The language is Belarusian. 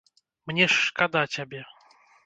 Мне ж шкада цябе!